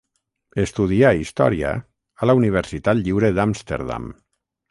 Estudià història a la Universitat Lliure d'Amsterdam.